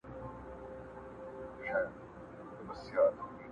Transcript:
o چرگه مي در حلالوله، په خاشو را څخه ننوتله!